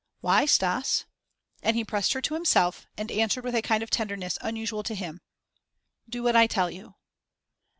"Why, Stas?" And he pressed her to himself and answered with a kind of tenderness unusual to him: "Do what I tell you."